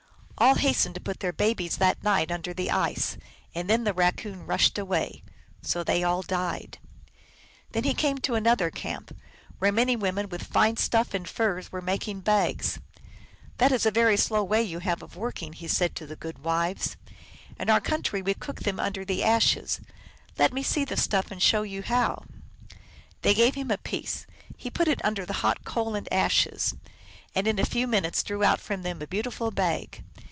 All hastened to put their babes that night under the ice, and then the Raccoon rushed away. So they all died. Then he came to another camp, where many women with fine stuff and furs were making bags. " That is a very slow way you have of working," he said to the goodwives. " In our country we cook them under the ashes. Let me see the stuff and show you how !" They gave him a piece : he put it under the hot coals and ashes, and in a few minutes drew out from them a beautiful bag.